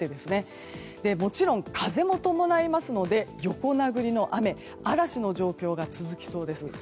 もちろん風も伴いますので横殴りの雨嵐の状況が続きそうです。